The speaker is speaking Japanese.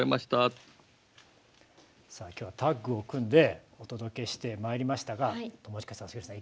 今日はタッグを組んでお届けしてまいりましたが友近さん杉浦さん